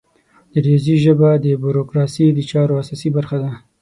د ریاضي ژبه د بروکراسي د چارو اساسي برخه ده.